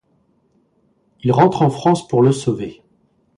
Il rentre en France pour le sauver.